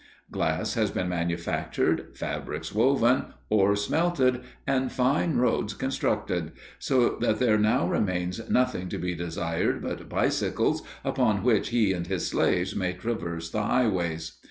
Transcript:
Glass has been manufactured, fabrics woven, ore smelted and fine roads constructed, so that there now remains nothing to be desired but bicycles upon which he and his slaves may traverse the highways.